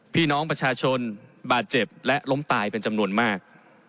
พี่น้องประชาชนบาดเจ็บและล้มตายเป็นจำนวนมาก